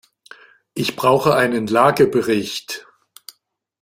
Ich brauche einen Lagebericht.